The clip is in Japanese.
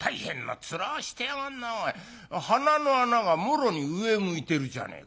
鼻の穴がもろに上向いてるじゃねえか。